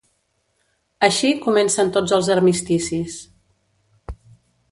Així comencen tots els armisticis.